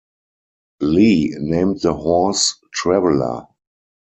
Lee named the horse "Traveller".